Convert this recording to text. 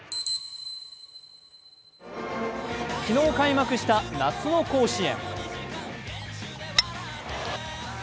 昨日開幕した夏の甲子園。